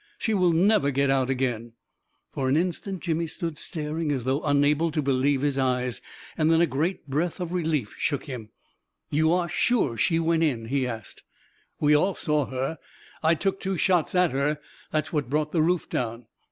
" She will never get out again !" For an instant Jimmy stood staring as though un able to believe his eyes. Then a great breath of relief shook him. A KING IN BABYLON 375 " You are sure she went in ?" he asked. "We all saw her. I took two shots at her. That's what brought the roof down."